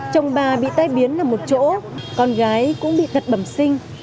chồng bà bị tai biến là một chỗ con gái cũng bị thật bẩm sinh